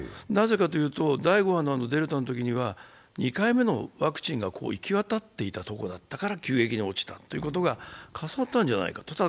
なぜかというと、第５波のデルタのときには２回目のワクチンが行き渡っていたところだから急激に落ちたということが重なったんじゃないかと。